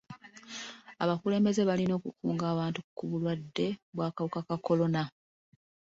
Abakulembeze balina okukunga abantu ku bulwadde bw'akawuka ka kolona.